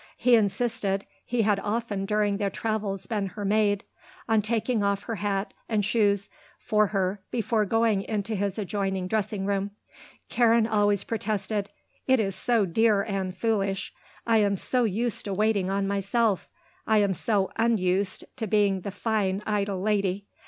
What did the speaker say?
He insisted he had often during their travels been her maid on taking off her hat and shoes for her before going into his adjoining dressing room. Karen always protested. "It is so dear and foolish; I am so used to waiting on myself; I am so unused to being the fine idle lady."